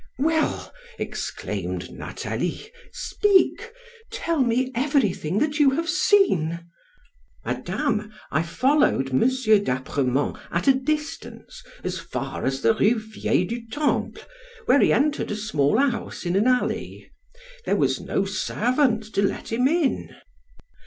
"Well," exclaimed Nathalie, "speak! Tell me everything that you have seen!" "Madame, I followed M. d'Apremont, at a distance, as far as the Rue Vieille du Temple, where he entered a small house, in an alley. There was no servant to let him in."